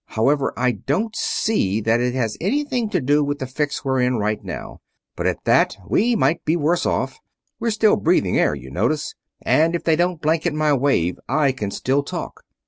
However, I don't see that it has anything to do with the fix we're in right now but at that, we might be worse off. We're still breathing air, you notice, and if they don't blanket my wave I can still talk."